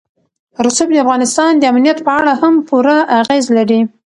رسوب د افغانستان د امنیت په اړه هم پوره اغېز لري.